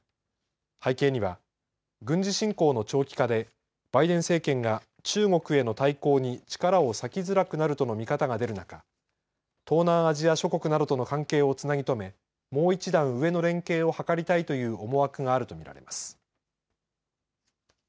背景には軍事侵攻の長期化でバイデン政権が中国への対抗に力を割きづらくなるとの見方が出る中、東南アジア諸国などとの関係をつなぎ止めもう一段上の連携を図りたいという思惑があると見られます。